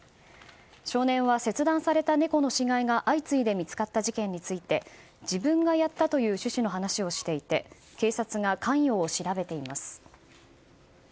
少年は、切断された猫の死骸が相次いで見つかった事件について自分がやったという趣旨の話をしていて警察が関与を調べています。